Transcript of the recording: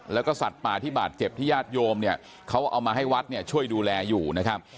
แล้วก็สัตว์ป่าที่บาดเจ็บที่ญาติโยมเนี่ยเขาเอามาให้วัดเนี่ยช่วยดูแลอยู่นะครับ